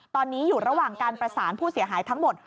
ตอนนี้อยู่ระหว่างการประสานผู้เสียหายทั้งหมด